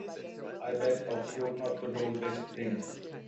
I beg of you not to do this thing.